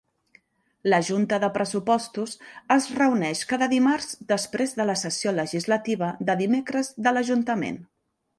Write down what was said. La junta de pressupostos es reuneix cada dimarts després de la sessió legislativa de dimecres de l'ajuntament.